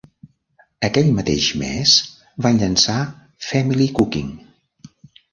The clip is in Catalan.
Aquell mateix mes, van llançar "Family Cooking".